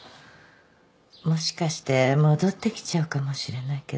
もしかして戻ってきちゃうかもしれないけど。